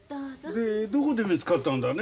でどこで見つかったんだね？